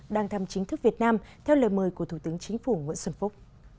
đang thăm chính thức việt nam theo lời mời của thủ tướng chính phủ nguyễn xuân phúc